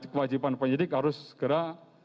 kewajiban penyidik harus segera